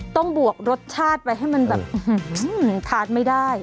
บวกรสชาติไปให้มันแบบทานไม่ได้